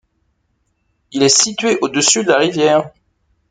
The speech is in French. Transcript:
Il est situé à au-dessus de la rivière.